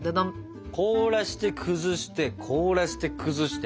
凍らして崩して凍らして崩して。